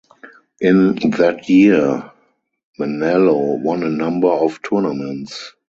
In that year, Manalo won a number of tournaments.